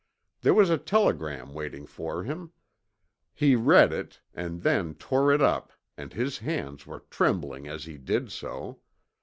There was a telegram waiting for him. He read it and then tore it up and his hands were trembling as he did so.